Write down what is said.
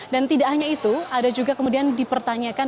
dan tidak hanya itu ada juga kemudian dipertanyakan